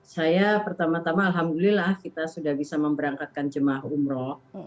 saya pertama tama alhamdulillah kita sudah bisa memberangkatkan jemaah umroh